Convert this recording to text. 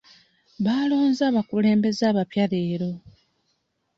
Balonze abakulembeze abapya leero.